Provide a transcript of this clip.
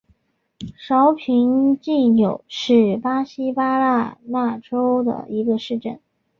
绍平济纽是巴西巴拉那州的一个市镇。